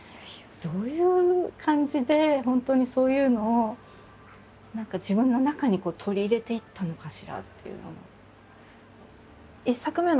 どういう感じで本当にそういうのを何か自分の中に取り入れていったのかしらっていうのも。